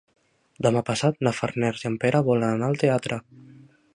Demà passat na Farners i en Pere volen anar al teatre.